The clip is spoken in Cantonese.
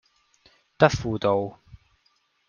德輔道